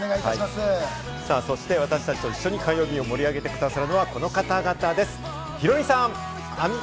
私たちと一緒に火曜日を盛り上げてくださるのはこの方々です。